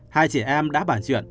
hai chị em đã bàn chuyện